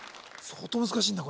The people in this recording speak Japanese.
相当難しいんだ